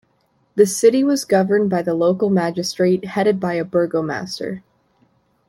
The city was governed by the local magistrate headed by a burgomaster.